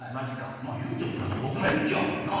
言うてもまだ６１やからな。